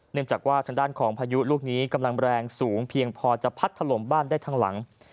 เนื่องจากว่าทางด้านของพายุลูกนี้กำลังแรงสูงเพียงพอจะพัดถล่มบ้านได้ทั้งหลัง